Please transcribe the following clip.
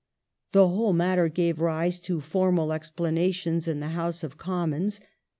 The whole matter gave rise to formal explanations in the House of Commons.